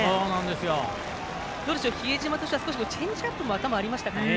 比江島としてはチェンジアップも頭ありましたかね。